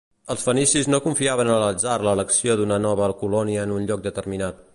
Els fenicis no confiaven a l'atzar l'elecció d'una nova colònia en un lloc determinat.